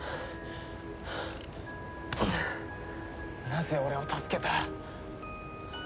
なぜ俺を助けた？